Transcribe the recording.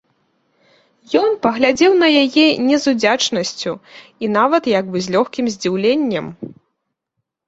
Ён паглядзеў на яе не з удзячнасцю і нават як бы з лёгкім здзіўленнем.